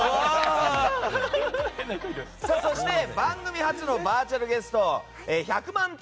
そして番組初のバーチャルゲスト壱百満天